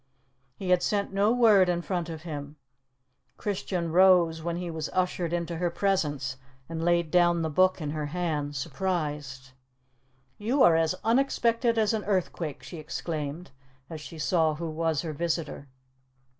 He had sent no word in front of him. Christian rose when he was ushered into her presence, and laid down the book in her hand, surprised. "You are as unexpected as an earthquake," she exclaimed, as she saw who was her visitor.